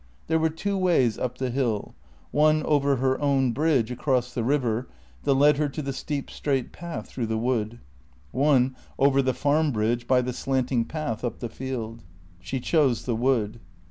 There were two ways up the hill; one over her own bridge across the river, that led her to the steep straight path through the wood; one over the Farm bridge by the slanting path up the field. She chose the wood.